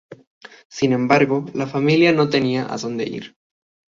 Sin embargo, la familia no tenía a dónde ir.